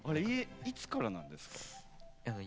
いつからなんですか？